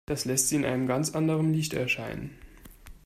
Das lässt sie in einem ganz anderem Licht erscheinen.